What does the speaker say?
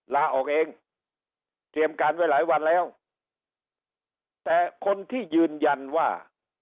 ลาออกเองเตรียมการไว้หลายวันแล้วแต่คนที่ยืนยันว่า